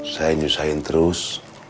saya nyusahin terus